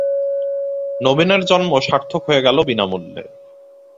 নবীনের জন্ম সার্থক হয়ে গেল বিনামূল্যে।